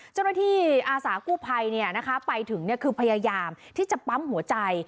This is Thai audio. เจ้าหน้าที่อาสากู้ภัยไปถึงคือพยายามที่จะปั๊มหัวใจ